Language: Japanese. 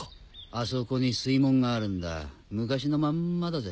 あそこに水門があるんだ昔のまんまだぜ。